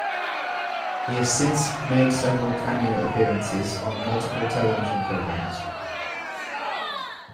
He has since made several cameo appearances on multiple television programs.